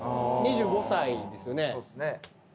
２５歳ですよね？